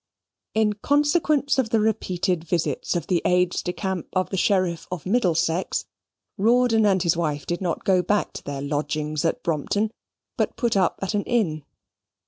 In consequence of the repeated visits of the aides de camp of the Sheriff of Middlesex, Rawdon and his wife did not go back to their lodgings at Brompton, but put up at an inn.